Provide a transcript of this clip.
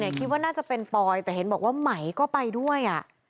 คิดว่าน่าจะเป็นปอยแต่เห็นบอกว่าไหมก็ไปด้วย